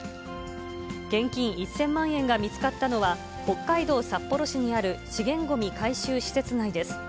現金１０００万円が見つかったのは、北海道札幌市にある資源ごみ回収施設内です。